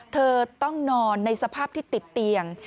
เธอต้องนอนในสภาพที่ติดเตียง